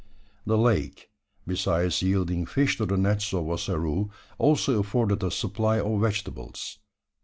The lake, besides yielding fish to the nets of Ossaroo, also afforded a supply of vegetables.